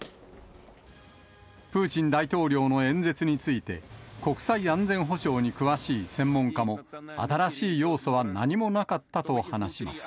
プーチン大統領の演説について、国際安全保障に詳しい専門家も、新しい要素は何もなかったと話します。